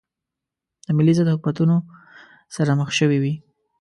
د ملي ضد حکومتونو سره مخ شوې وې.